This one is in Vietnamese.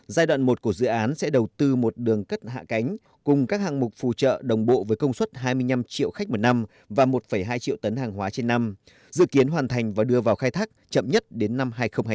giai đoạn một của dự án sẽ đầu tư một đường cất hạ cánh cùng các hàng mục phù trợ đồng bộ với công suất hai mươi năm triệu khách một năm và một hai triệu tấn hàng hóa trên năm dự kiến hoàn thành và đưa vào khai thác chậm nhất đến năm hai nghìn hai mươi